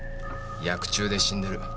ヤク中で死んでる。